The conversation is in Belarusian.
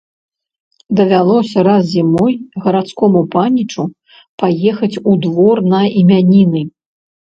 Давялося раз зімой гарадскому панічу паехаць у двор на імяніны.